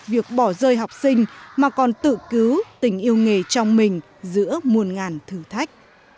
việc bỏ rơi học sinh mà còn tự cứu tình yêu nghề trong mình giữa muôn ngàn thử thách